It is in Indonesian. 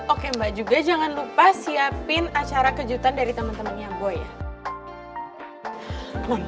oke mbak jangan lupa siapin acara kejutan dari temen temennya gue